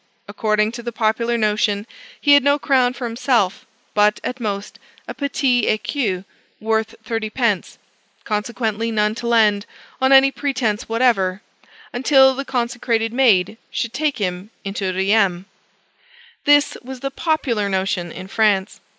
According to the popular notion, he had no crown for himself, but, at most, a petit ecu, worth thirty pence; consequently none to lend, on any pretence whatever, until the consecrated Maid should take him to Rheims. This was the popular notion in France.